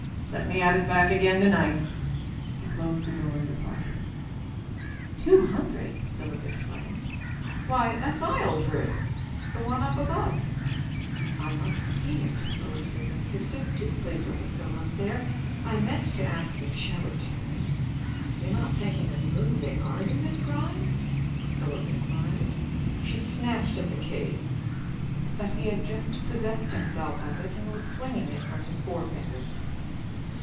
"Let me have it back again to night." He closed the door and departed. "Two hundred?" Philip exclaimed. "Why, that's my old room, the one up above." "I must see it," Elizabeth insisted. "Do please let us go up there. I meant to ask you to show it me." "You are not thinking of moving, are you, Miss Grimes?" Philip enquired. She snatched at the key, but he had just possessed himself of it and was swinging it from his forefinger.